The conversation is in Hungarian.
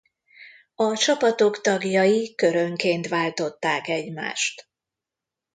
A csapatok tagjai körönként váltották egymást.